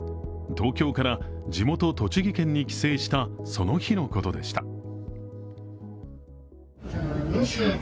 東京から地元栃木県に帰省した、その日のことでした。